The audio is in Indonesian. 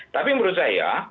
tapi menurut saya